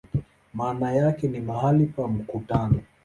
Maana yake ni "mahali pa mkutano".